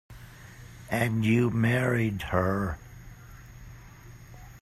And you married her.